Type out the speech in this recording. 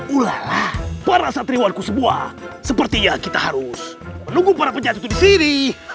ula lah para satriwanku semua sepertinya kita harus menunggu para penyacu disini